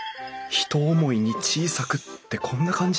「ひと思いに小さく」ってこんな感じ？